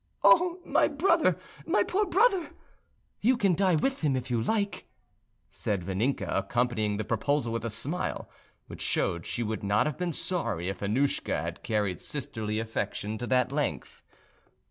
"Oh, my brother, my poor brother!" "You can die with him if you like," said Vaninka, accompanying the proposal with a smile which showed she would not have been sorry if Annouschka had carried sisterly affection to that length.